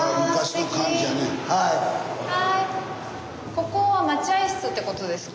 ここは待合室ってことですか？